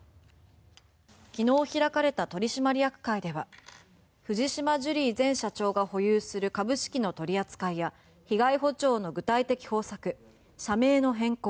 昨日開かれた取締役会では藤島ジュリー前社長が保有する株式の取り扱いや被害補償の具体的方策社名の変更